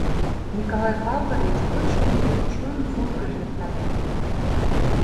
Николай Павлович кодшо йӱдым чон вургыж эртарен.